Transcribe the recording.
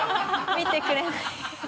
見てくれない